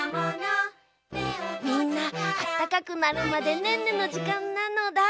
みんなあったかくなるまでねんねのじかんなのだ。